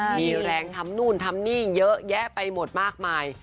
มีแรงทำนู่นทำนี่เยอะแยะไปหมดมากมาย